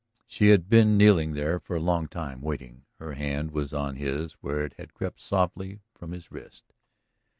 She had been kneeling there for a long time, waiting. Her hand was on his where it had crept softly from his wrist.